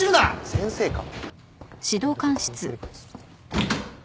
先生か。